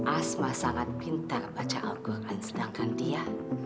asma sangat pintar baca al quran sedangkan dia